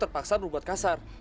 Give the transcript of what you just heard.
terpaksa berbuat kasar